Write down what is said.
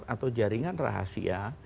atau jaringan rahasia